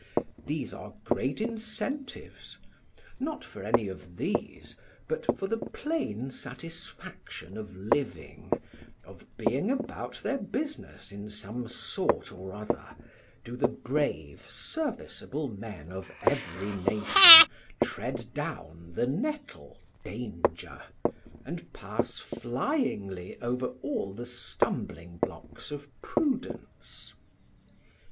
These are great incentives; not for any of these, but for the plain satisfaction of living, of being about their business in some sort or other, do the brave, serviceable men of every nation tread down the nettle danger, and pass flyingly over all the stumbling blocks of prudence.